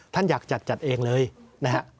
ท่านอยากจัดจัดเองเลยนะฮะ